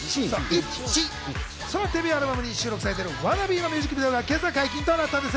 そのデビューアルバムに収録される『ＷＡＮＮＡＢＥ』のミュージックビデオが今朝、解禁となったんです。